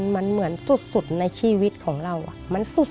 มันเหมือนสุดสุดในชีวิตของเราอ่ะมันสุดสุดในชีวิตของเราอ่ะ